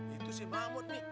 itu si mahmud nih